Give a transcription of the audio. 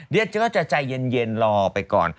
เราก็จะใจเย็นรอไปก่อน